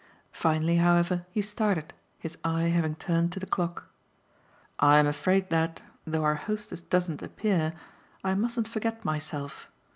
Finally, however, he started, his eye having turned to the clock. "I'm afraid that, though our hostess doesn't appear, I mustn't forget myself.